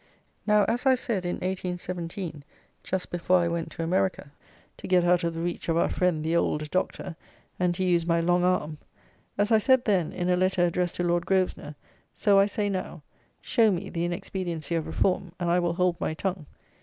Now, as I said in 1817, just before I went to America to get out of the reach of our friend, the Old Doctor, and to use my long arm; as I said then, in a Letter addressed to Lord Grosvenor, so I say now, show me the inexpediency of reform, and I will hold my tongue.